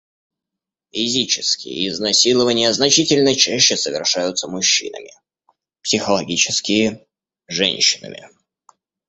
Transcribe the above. Физические изнасилования значительно чаще совершаются мужчинами, психологические — женщинами.